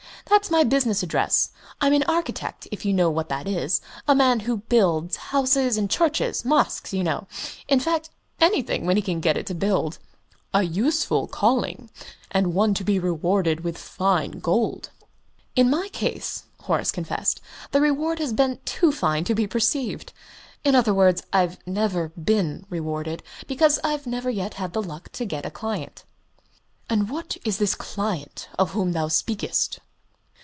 "That's my business address. I'm an architect, if you know what that is a man who builds houses and churches mosques, you know in fact, anything, when he can get it to build." "A useful calling indeed and one to be rewarded with fine gold." "In my case," Horace confessed, "the reward has been too fine to be perceived. In other words, I've never been rewarded, because I've never yet had the luck to get a client." "And what is this client of whom thou speakest?"